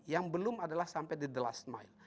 yang belum adalah sampai di the last mile